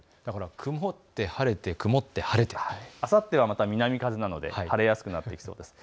曇って晴れて、曇って晴れて、あさっては南風なので晴れやすくなってきそうです。